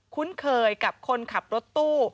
คุ้นเคยกับคนขับรถตู้